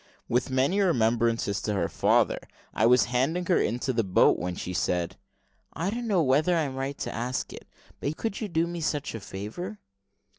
With many remembrances to her father, I was handing her into the boat, when she said, "I don't know whether I am right to ask it, but you could do me such a favour."